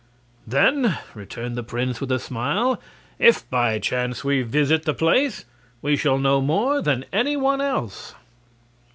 "Then," returned the prince, with a smile, "if by chance we visit the place we shall know more than any one else."